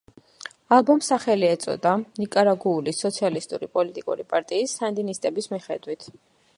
ალბომს სახელი ეწოდა ნიკარაგუული სოციალისტური პოლიტიკური პარტიის, სანდინისტების მიხედვით.